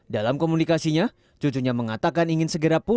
dalam komunikasinya cucunya mengatakan ingin segera pulang